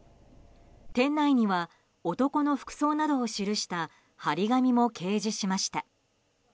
店内には、男の服装などを記した貼り紙も掲示しました。